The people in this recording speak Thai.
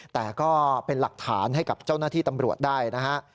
แต่ก็เป็นหลักฐานให้กับเจ้าหน้าที่ตำรวจได้นะฮะ